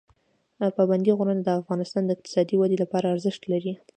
پابندی غرونه د افغانستان د اقتصادي ودې لپاره ارزښت لري.